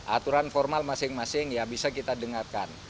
aturan formal masing masing ya bisa kita dengarkan